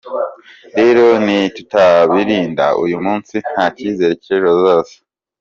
Rero nitutabarinda uyu munsi nta cyizere cy’ejo hazaza.